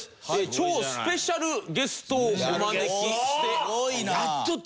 超スペシャルゲストをお招きして。